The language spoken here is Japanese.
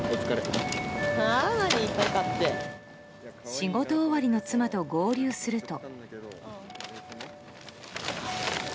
仕事終わりの妻と合流すると。